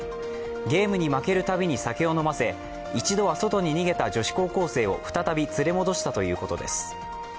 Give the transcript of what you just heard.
ゲームに負けるたびに酒を飲ませ一度は外に逃げた女子高校生を再び連れ戻したということです。